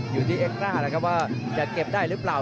อยู่ที่เอ็กซ่านะครับว่าจะเก็บได้หรือเปล่า